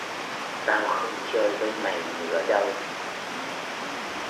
Tao không chơi với mày nữa đâu